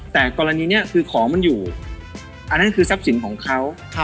แต่กรณีนี้คือของมันอยู่อันนั้นคือทรัพย์สินของเขา